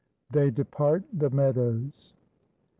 THEY DEPART THE MEADOWS. I.